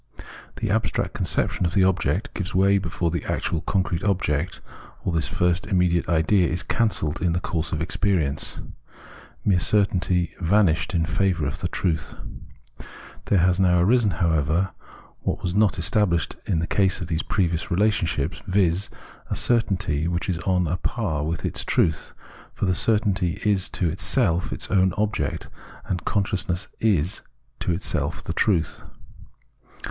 The abstract conception of the object gives way before the actual concrete object, or the first immediate idea is cancelled in the course of experience. Mere certainty vanished in favour of the truth. There has now arisen, however, what was not estabhshed in the case of these previous relationships, viz. a certainty which is on a par with its truth, for the certainty is to itself its own object, and consciousness is to itself the truth.